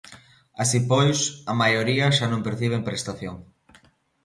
Así pois, a maioría xa non perciben prestación.